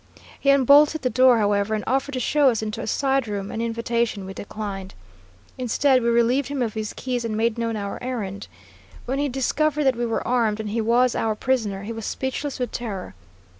He unbolted the door, however, and offered to show us into a side room, an invitation we declined. Instead, we relieved him of his keys and made known our errand. When he discovered that we were armed and he was our prisoner, he was speechless with terror.